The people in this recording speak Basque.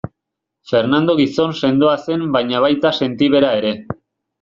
Fernando gizon sendoa zen baina baita sentibera ere.